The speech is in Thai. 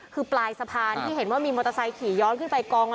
คือปลายสะพานที่เห็นว่ามีมอเตอร์ไซค์ขี่ย้อนขึ้นไปกอง